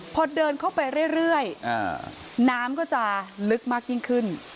พอเดินเข้าไปเรื่อยน้ำก็จะลึกมากยิ่งขึ้น